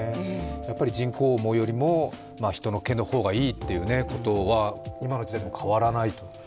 人工毛よりも人の毛の方がいいということは、今の時代でも変わらないという。